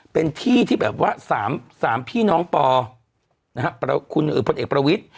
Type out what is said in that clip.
เป็นที่ที่แบบว่า๓พี่น้องปคุณพลเอกประวิทธิ